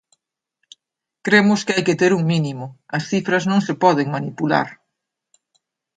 Cremos que hai que ter un mínimo, as cifras non se poden manipular.